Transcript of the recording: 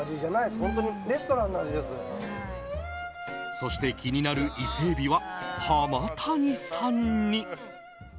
そして、気になるイセエビは浜谷さんに。